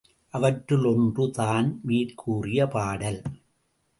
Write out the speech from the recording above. அவற்றுள் ஒன்று தான் மேற்கூறிய பாடல்.